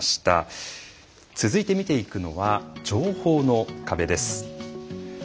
続いて見ていくのは情報の壁です。